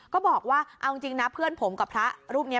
ก็บอกว่าเอาจริงนะเพื่อนผมกับพระรูปนี้